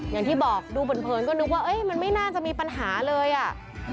อย่างที่บอกดูเผินก็นึกว่ามันไม่น่าจะมีปัญหาเลยอ่ะ